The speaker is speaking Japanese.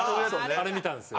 あれ見たんですよ。